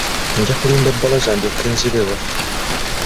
Nja kulinda Bbalaza ndyoke nzire ewaffe.